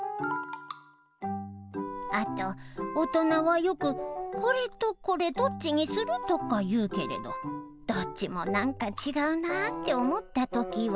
あとおとなはよく「コレとコレどっちにする？」とかいうけれどどっちもなんかちがうなーっておもったときは。